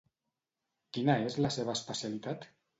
Quina és la seva especialitat?